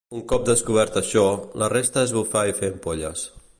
Un cop descobert això, la resta és bufar i fer ampolles.